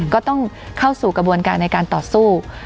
ก็ต้องเข้าสู่กระบวนการในการต่อสู้